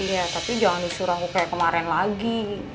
iya tapi jangan disuruh ragu kayak kemarin lagi